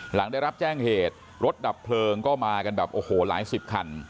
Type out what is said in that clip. หลังได้รับแจ้งเหตุรถดับเพลิงก็มากันแบบโอ้โหหลายสิบคัน